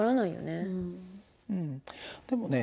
でもね